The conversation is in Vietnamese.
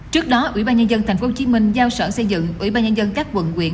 trước đó ủy ban nhân dân tp hcm giao sở xây dựng ủy ban nhân dân các quận quyện